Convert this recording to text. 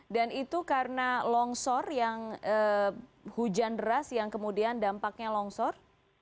dan itu karena longsor yang hujan deras yang kemudian dampaknya longsor